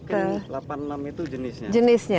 oke delapan puluh enam itu jenisnya